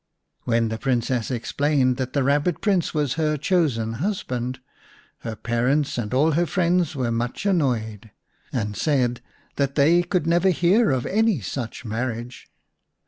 When the Princess explained that the Rabbit Prince was her chosen husband, her parents and all her friends were much annoyed, and said that they could never hear of any such marriage.